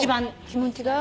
気持ちが？